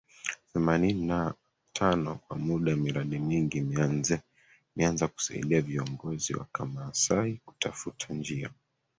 Themanini na tano Kwa muda miradi mingi imeanza kusaidia viongozi wa Kimasai kutafuta njia